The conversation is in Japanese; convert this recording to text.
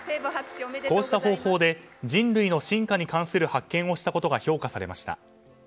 こうした方法で人類の進化に関するものを発見したことが評価されました。